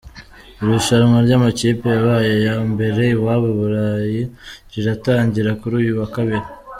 Irushanwa ry’amakipe yabaye ayambere iwayo i Burayi riratangira kuri uyu wa Kabiri